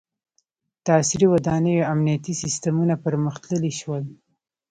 • د عصري ودانیو امنیتي سیستمونه پرمختللي شول.